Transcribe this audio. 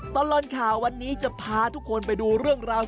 ตลอดข่าววันนี้จะพาทุกคนไปดูเรื่องราว